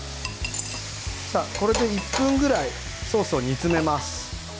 これで１分くらいソースを煮詰めます。